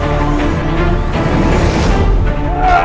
aku masih mau membalaskan rendah